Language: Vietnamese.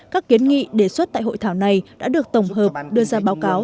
các kiến nghị đề xuất tại hội thảo này đã được tổng hợp đưa ra báo cáo